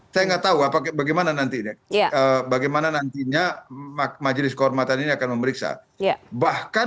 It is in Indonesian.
saya nggak tahu bagaimana nantinya majelis kehormatan ini akan memeriksa